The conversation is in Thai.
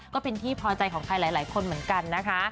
ก็เป็นที่พอใจของใครหลายคนเหมือนกันนะคะ